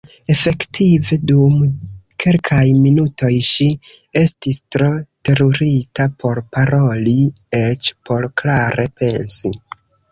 Efektive dum kelkaj minutoj ŝi estis tro terurita por paroli, eĉ por klare pensi.